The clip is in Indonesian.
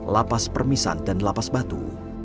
lapas permisan dan lapas batu